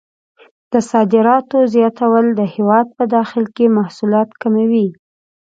د صادراتو زیاتول د هېواد په داخل کې محصولات کموي.